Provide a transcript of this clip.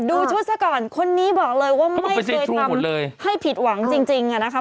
ดูชุดซะก่อนคนนี้บอกเลยว่าไม่เคยทำให้ผิดหวังจริงอะนะคะ